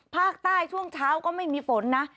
ภาคใต้ช่วงเช้าก็ไม่มีฝนนะ